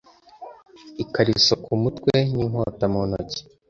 ikariso ku mutwe n'inkota mu ntoki